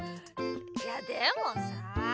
いやでもさあ。